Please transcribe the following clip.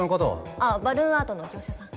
あっバルーンアートの業者さん。